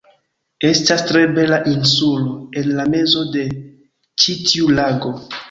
Estas tre bela insulo, en la mezo de ĉi tiu lago